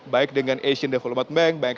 baik dengan asian development bank